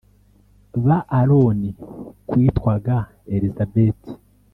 ba Aroni kwitwaga Elizabeti